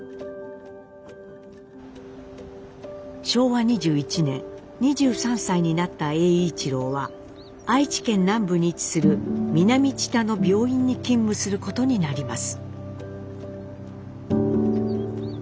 昭和２１年２３歳になった栄一郎は愛知県南部に位置する南知多の病院に勤務することになります。